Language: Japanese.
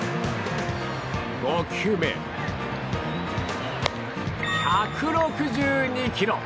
５球目、１６２キロ。